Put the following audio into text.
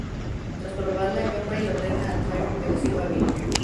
Tras probarla, Joffrey le ordena a Tyrion que le sirva vino.